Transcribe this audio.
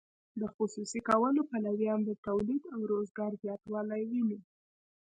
د خصوصي کولو پلویان د تولید او روزګار زیاتوالی ویني.